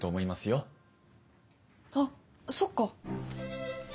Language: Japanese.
あっそっか。